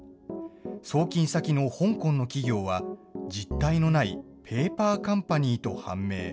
送金先の香港の企業は、実体のないペーパーカンパニーと判明。